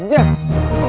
udah jangan banyak ngomong